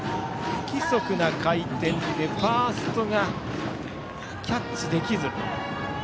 不規則な回転でファーストがキャッチできず。